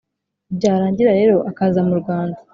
byarangira rero akaza mu rwanda: